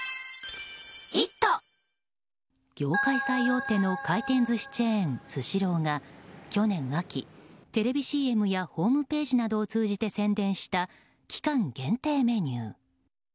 業界最大手の回転寿司チェーンスシローが去年秋、テレビＣＭやホームページなどを通じて宣伝した期間限定メニュー。